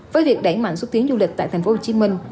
với việc đẩy mạnh xuất tiến du lịch tại tp hcm